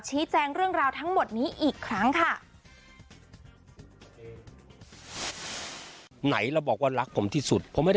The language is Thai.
ชี้แจงเรื่องราวทั้งหมดนี้อีกครั้งค่ะ